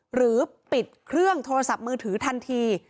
หรือปิดเครื่องโทรศัพท์มือถือทันที